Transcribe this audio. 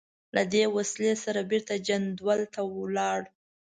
له دې وسلې سره بېرته جندول ته ولاړ.